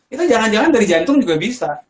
itu jangan jangan dari jantung juga bisa